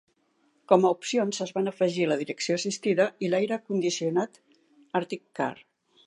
Com a opcions es van afegir la direcció assistida i l'aire condicionat Artic-Kar.